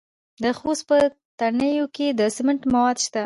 د خوست په تڼیو کې د سمنټو مواد شته.